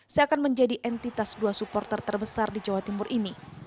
seakan menjadi entitas dua supporter terbesar di jawa timur ini